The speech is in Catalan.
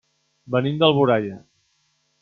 Venim d'Alboraia.